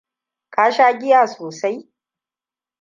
Ka sha giya sosai?